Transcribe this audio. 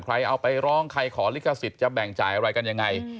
ใครเอาไปร้องใครขอลิขสิทธิ์จะแบ่งจ่ายอะไรกันยังไง